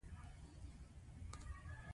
بدرنګه نیت د خدای له رحم نه لیرې وي